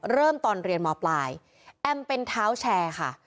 เริ่มตอนเรียนมปลายแอมเป็นเท้าแชร์ค่ะ